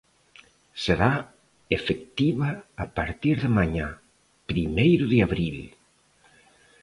Será efectiva a partir de mañá, primeiro de abril.